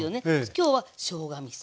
今日はしょうがみそ。